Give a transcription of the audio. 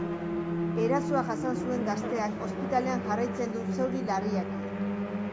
Erasoa jasan zuen gazteak ospitalean jarraitzen du, zauri larriekin.